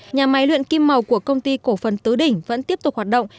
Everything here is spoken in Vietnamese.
nhà máy luyện kim màu của công ty cổ phần tứ đỉnh vẫn tiếp tục hoạt động